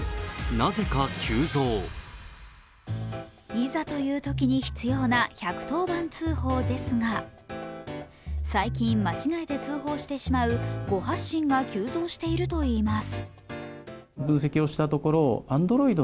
いざというときに必要な１１０番通報ですが最近、間違えて通報してしまう誤発信が急増しているといいます。